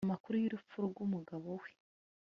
amakuru y'urupfu rw'umugabo we